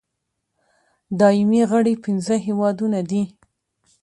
دایمي غړي پنځه هېوادونه دي.